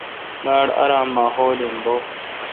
باڑ آرام ماحول این بو۔